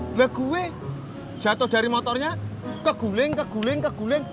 lah gue jatuh dari motornya keguling keguling keguling